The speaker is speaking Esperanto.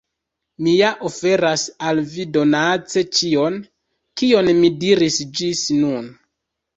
Mi ja oferas al vi donace ĉion, kion mi diris ĝis nun.